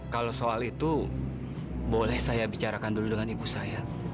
kalau soal itu boleh saya bicarakan dulu dengan ibu saya